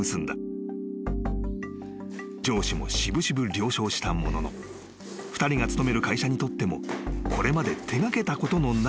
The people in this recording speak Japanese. ［上司も渋々了承したものの２人が勤める会社にとってもこれまで手掛けたことのないプロジェクト］